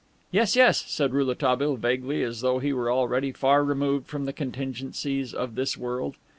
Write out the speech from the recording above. "Yes, yes," said Rouletabille, vaguely, as though he were already far removed from the contingencies of this world.